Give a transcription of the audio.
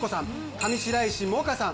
上白石萌歌さん